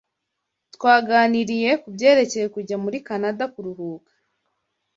Twaganiriye kubyerekeye kujya muri Kanada kuruhuka